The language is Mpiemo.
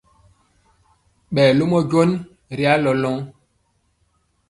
Ɓɛ lomɔ jon nyɛ ri alɔlɔŋ.